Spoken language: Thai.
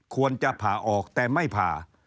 ควรจะผ่าออกแต่ไม่ผ่า